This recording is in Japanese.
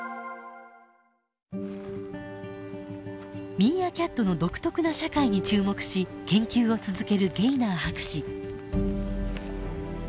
ミーアキャットの独特な社会に注目し研究を続けるゲイナー博士。